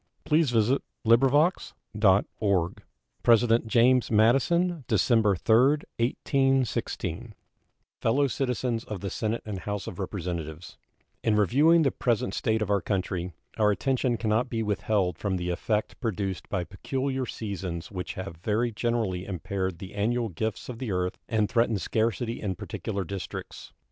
State of the Union Address James Madison December 3, 1816 Fellow Citizens of the Senate and House of Representatives: In reviewing the present state of our country, our attention cannot be withheld from the effect produced by peculiar seasons which have very generally impaired the annual gifts of the earth and threatened scarcity in particular districts.